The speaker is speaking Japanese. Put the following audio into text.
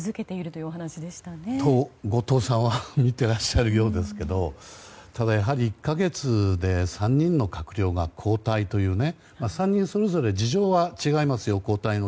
そう後藤さんはみていらっしゃるようですがただやはり１か月で３人の閣僚が交代の事情は３人それぞれ違いますよ。